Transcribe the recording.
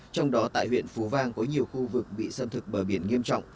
trong đó tại huyện phú vang có nhiều khu vực bị xâm thực bờ biển nghiêm trọng